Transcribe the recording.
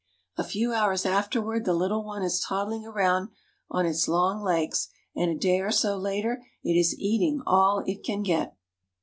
A few hours afterward the little one is toddling around on its long legs, and a day or so later it is eating all it can get.